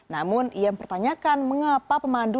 namun ia mempertanyakan mengapa pemandu